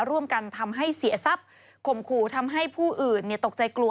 ร่วมกันทำให้เสียทรัพย์ข่มขู่ทำให้ผู้อื่นตกใจกลัว